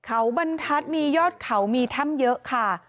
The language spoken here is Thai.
เขาบรรทัศน์มียอดเขามีถ้ำเยอะค่ะ